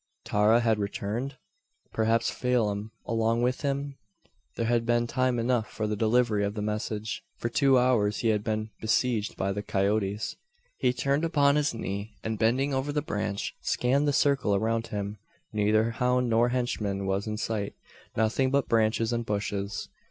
Tara had returned? Perhaps Phelim along with him? There had been time enough for the delivery of the message. For two hours he had been besieged by the coyotes. He turned upon his knee, and bending over the branch, scanned the circle around him. Neither hound nor henchman was in sight. Nothing but branches and bushes!